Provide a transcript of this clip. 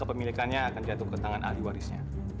kepemilikannya akan jatuh ke tangan ahli warisnya